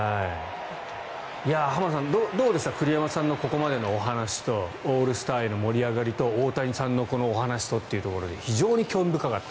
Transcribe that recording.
浜田さん、どうですか栗山さんのこれまでのお話とオールスターへの盛り上がりと大谷さんの話ということで非常に興味深かった。